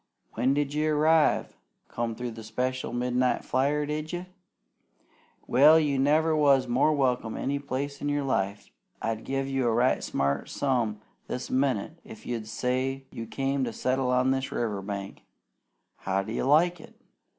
When d'you arrive? Come through by the special midnight flyer, did you? Well, you never was more welcome any place in your life. I'd give a right smart sum this minnit if you'd say you came to settle on this river bank. How do you like it?